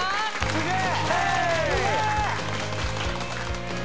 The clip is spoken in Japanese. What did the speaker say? すげえ！